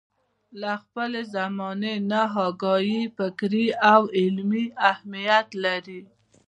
له خپلې زمانې نه اګاهي فکري او عملي اهميت لري.